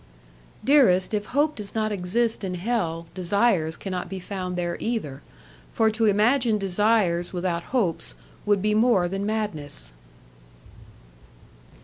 "Dearest, if hope does not exist in hell, desires cannot be found there either; for to imagine desires without hopes would be more than madness."